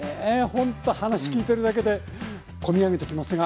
ほんと話聞いてるだけで込み上げてきますが。